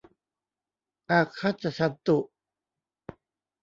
อาคัจฉันตุ